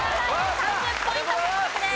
３０ポイント獲得です。